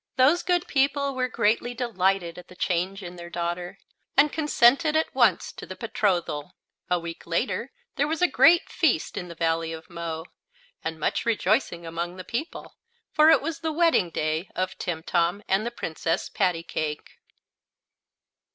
Those good people were greatly delighted at the change in their daughter, and consented at once to the betrothal. A week later there was a great feast in the Valley of Mo, and much rejoicing among the people, for it was the wedding day of Timtom and the Princess Pattycake.